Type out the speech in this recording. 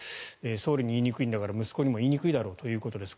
総理に言いにくいんだから息子にも言いにくいだろうということです。